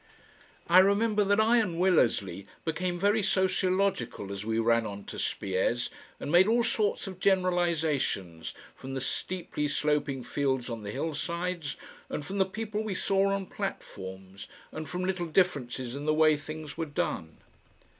I remember that I and Willersley became very sociological as we ran on to Spiez, and made all sorts of generalisations from the steeply sloping fields on the hillsides, and from the people we saw on platforms and from little differences in the way things were done.